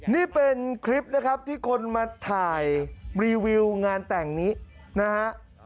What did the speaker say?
นี่เป็นคลิปนะครับที่คนมาถ่ายรีวิวงานแต่งนี้นะฮะ